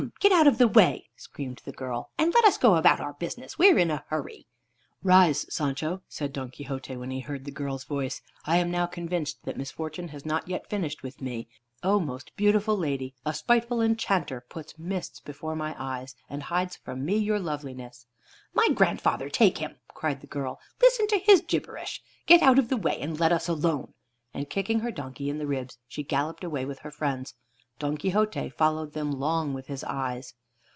get out of the way," screamed the girl, "and let us go about our business. We're in a hurry." "Rise, Sancho," said Don Quixote when he heard the girl's voice. "I am now convinced that misfortune has not yet finished with me. O most beautiful lady! a spiteful enchanter puts mists before my eyes, and hides from me your loveliness." "My grandmother take him!" cried the girl. "Listen to his gibberish! Get out of the way, and let us alone." And kicking her donkey in the ribs, she galloped away with her friends. Don Quixote followed them long with his eyes.